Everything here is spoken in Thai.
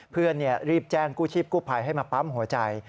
เพื่อนรีบแจ้งกู้ชีพกู้ภัยให้มาปั๊มหัวใจ